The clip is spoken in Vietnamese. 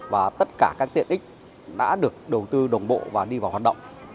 và tất cả các tiện ích đã được đầu tư đồng bộ và đi vào hoạt động